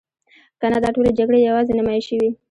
کنه دا ټولې جګړې یوازې نمایشي وي.